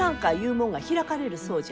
もんが開かれるそうじゃ。